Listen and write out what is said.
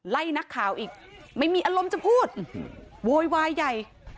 ไล่นักข่าวอีกไม่มีอารมณ์จะพูดโวยวายใหญ่